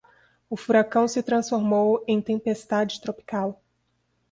O furacão se transformou em tempestade tropical